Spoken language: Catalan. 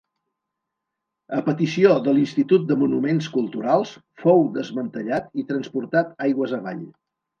A petició de l'Institut de monuments culturals, fou desmantellat i transportat aigües avall.